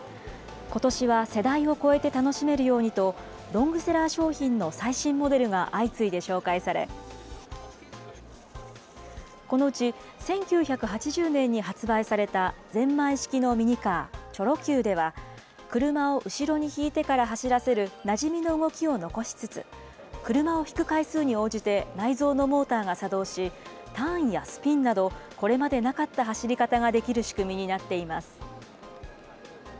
ことしは世代を超えて楽しめるようにと、ロングセラー商品の最新モデルが相次いで紹介され、このうち、１９８０年に発売されたぜんまい式のミニカー、チョロＱでは、車を後ろに引いてから走らせるなじみの動きを残しつつ、車を引く回数に応じて内蔵のモーターが作動し、ターンやスピンなどこれまでなかった走り方ができる仕組みになっています。